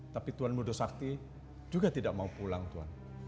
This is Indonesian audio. tapi tuhan muda sakti juga tidak mau pulang tuhan